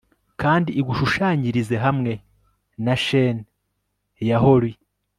kandi igushushanyirize hamwe na shene ya holly